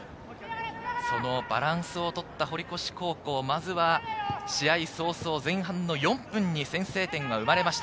そのバランスを取った堀越高校、まずは試合早々、前半４分に先制点が生まれました。